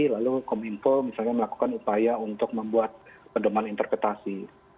lalu kominfo misalnya melakukan upaya untuk membuat pendoman interpretasi